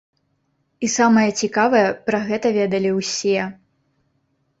І самае цікавае, пра гэта ведалі усе!